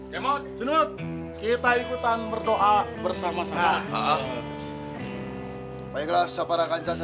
kita ikutan berdoa bersama sama